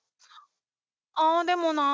ああでもない